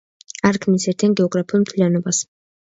არ ქმნის ერთიან გეოგრაფიულ მთლიანობას.